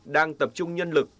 đang tập trung nhân lực